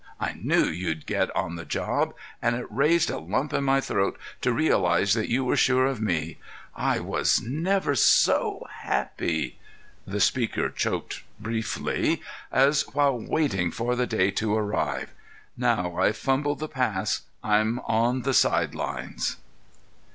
I knew you'd get on the job, and it raised a lump in my throat to realize that you were sure of me. I—was never so happy"—the speaker choked briefly—"as while waiting for the day to arrive. Now I've fumbled the pass. I'm on the sidelines."